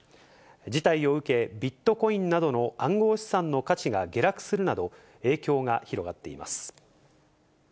事態を受け、ビットコインなどの暗号資産の価値が下落するなど、影響が広がっています。